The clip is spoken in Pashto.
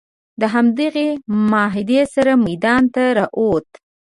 د همدغې معاهدې سره میدان ته راووت.